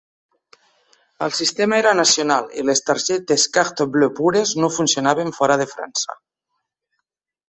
El sistema era nacional i les targetes Carte Bleue pures no funcionaven fora de França.